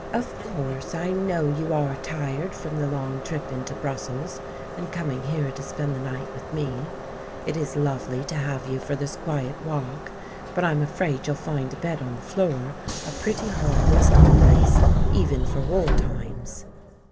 Of course, I know you are tired from the long trip into Brussels and coming here to spend the night with me. It is lovely to have you for this quiet walk, but I'm afraid you'll find a bed on the floor a pretty hard resting place even for war times."